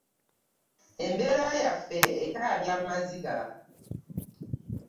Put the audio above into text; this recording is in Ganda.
Embeera yaffe ekaabya amaziga.